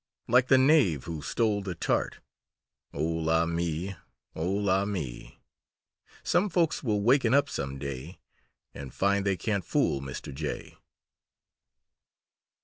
Like the knave who stole the tart Oh, la me! Oh, la me! Some folks will waken up some day And find they can't fool Mr. Jay!"